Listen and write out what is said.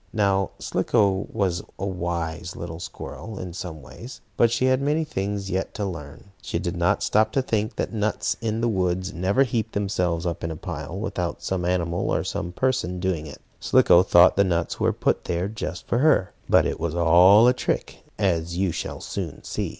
Now Slicko was a wise little squirrel in some ways. But she had many things yet to learn. She did not stop to think that nuts in the woods never heap themselves up in a pile without some animal or some person doing it. Slicko thought the nuts were put there just for her. But it was all a trick, as you shall soon see.